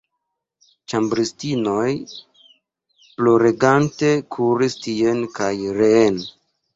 Ĉambristinoj ploregante kuris tien kaj reen.